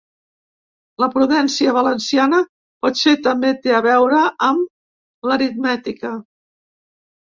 La prudència valenciana potser també té a veure amb l’aritmètica.